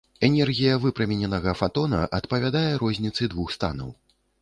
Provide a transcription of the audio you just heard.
Энергія выпрамененага фатона адпавядае розніцы двух станаў.